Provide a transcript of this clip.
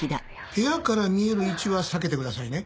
部屋から見える位置は避けてくださいね。